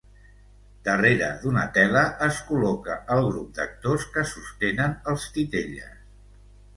Darrere d'una tela es col·loca el grup d'actors que sostenen els titelles.